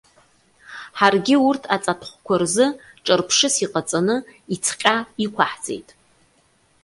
Ҳаргьы урҭ аҵатәхәқәа рзы ҿырԥшыс иҟаҵаны, ицҟьа иқәаҳҵеит.